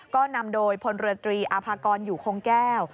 ก็นำโดยพลเรือตรีอาภากรอยู่คงแก้ว